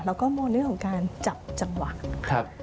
แล้วก็มองเรื่องของการจับจังหวะ